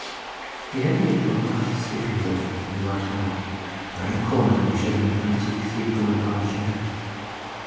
He led me into a sleeping room on the right hand, where in a corner he showed me an antique three cornered arm chair.